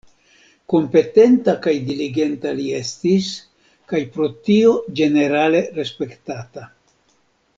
Kompetenta kaj diligenta li estis, kaj pro tio ĝenerale respektata.